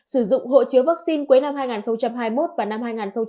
sử dụng hộ chiếu vaccine cuối năm hai nghìn hai mươi một và năm hai nghìn hai mươi bốn